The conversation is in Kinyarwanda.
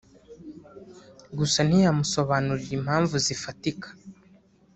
gusa ntiyamusobanurira impamvu zifatika